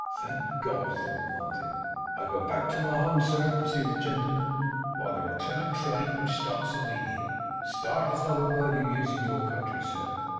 'Thank God!' thought Martin. 'I go back Toe my home, sir,' pursued the gentleman, 'by the return train, which starts immediate. Start is not a word you use in your country, sir.